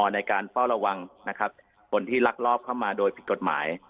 ในการเฝ้าระวังนะครับคนที่ลักลอบเข้ามาโดยผิดกฎหมาย